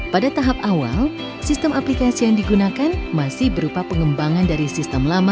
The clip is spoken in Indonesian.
pada tahap awal sistem aplikasi yang digunakan masih berupa pengembangan dari sistem lama